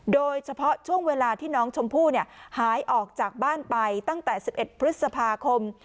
โดยเฉพาะช่วงเวลาที่น้องชมพู่หายออกจากบ้านไปตั้งแต่๑๑พฤษภาคม